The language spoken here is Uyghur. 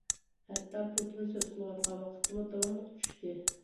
ھەتتا پۇتىن سۆز قىلىۋاتقان ۋاقىتتىمۇ داۋاملىق چۈشتى.